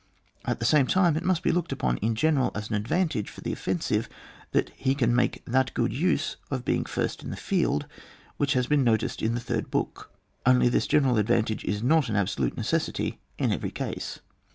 At the same time, it must be looked upon in general as an advantage for the offensive, that he can make that good use of being the first in the field which has been noticed in the third book ; only this general advantage is not an absolute necessity in eveiy case.